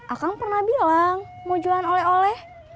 akang pernah bilang mau jualan oleh oleh